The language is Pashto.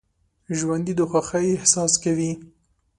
ژوندي د خوښۍ احساس کوي